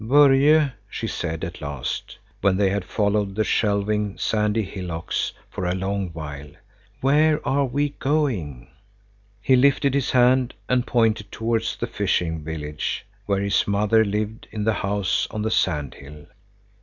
"Börje," she said at last, when they had followed the shelving, sandy hillocks for a long while, "where are we going?" He lifted his band and pointed towards the fishing village, where his mother lived in the house on the sand hill.